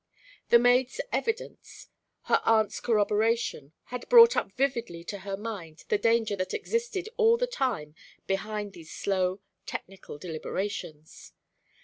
The maid's evidence, her aunt's corroboration, had brought up vividly to her mind the danger that existed all the time behind these slow, technical deliberations.